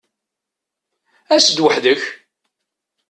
As-d weḥd-k!